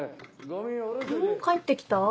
帰って来た？